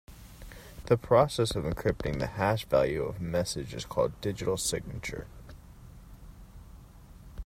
The process of encrypting the hash value of a message is called digital signature.